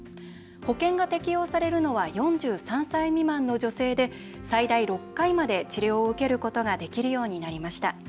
保険が適用されるのは４３歳未満の女性で最大６回まで治療を受けることができるようになりました。